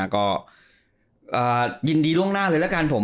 ก็ยินดีล่วงหน้าเลยละกันผม